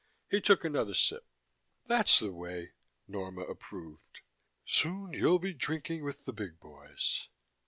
He took another sip. "That's the way," Norma approved. "Soon you'll be drinking with the big boys."